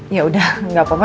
ya udah gak apa apa